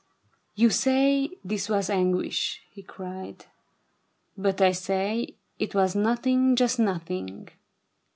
" You say this was anguish," he cried, " but I say It was nothing — just nothing.